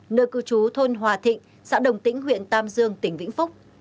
nơi cư trú thôn hòa thịnh xã đồng tĩnh huyện tam dương tỉnh vĩnh phúc